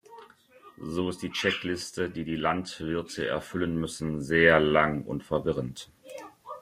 So ist die Checkliste, die die Landwirte erfüllen müssen, sehr lang und verwirrend.